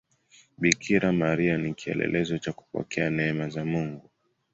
Bikira Maria ni kielelezo cha kupokea neema za Mungu.